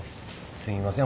すみません